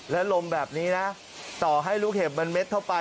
และลูกเห็บมันเม็ดเท่าไป